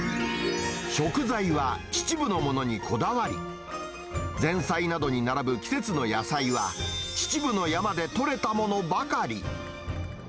食材は秩父のものにこだわり、前菜などに並ぶ季節の野菜は、秩父の山で取れたものばかり。